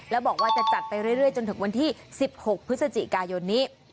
แล้วบอกว่าจะจัดไปเรื่อยจนถึงวันที่๑๖พฤศจิกายนนี้